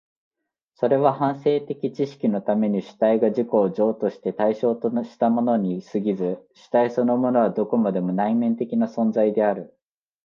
それは反省的知識のために主体が自己を譲渡して対象としたものに過ぎず、主体そのものはどこまでも内面的な存在である。